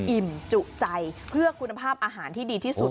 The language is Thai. อิ่มจุใจเพื่อคุณภาพอาหารที่ดีที่สุด